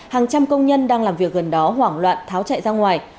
hàng trăm công nhân đang làm việc gần đó hoảng loạn tháo chạy ra ngoài